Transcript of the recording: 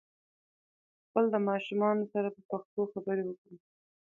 خپل د ماشومانو سره په پښتو خبري وکړئ